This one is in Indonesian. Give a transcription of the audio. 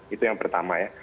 itu yang pertama ya